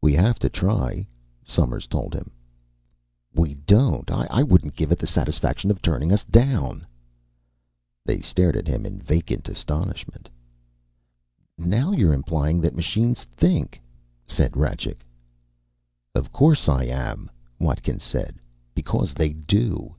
"We have to try," Somers told him. "We don't! I wouldn't give it the satisfaction of turning us down!" They stared at him in vacant astonishment. "Now you're implying that machines think," said Rajcik. "Of course I am," Watkins said. "Because they do!